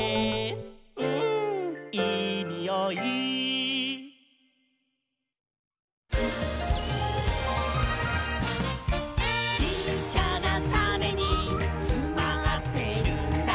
「うんいいにおい」「ちっちゃなタネにつまってるんだ」